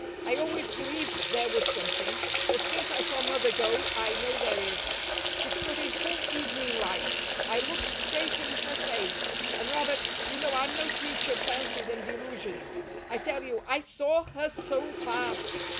I always believed there was something; but since I saw Mother go, I know there is. She stood in full evening light, I looked straight in her face, and Robert, you know I'm no creature of fancies and delusions, I tell you I SAW HER SOUL PASS.